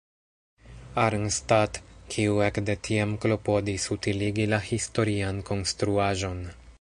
Arnstadt" kiu ekde tiam klopodis utiligi la historian konstruaĵon.